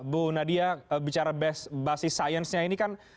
bu nadia bicara basis science nya ini kan